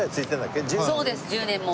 そうです１０年も。